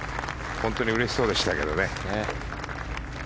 本当にうれしそうでしたけどね。